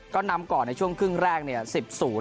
ก็นำก่อนในช่วงครึ่งแรกเนี่ย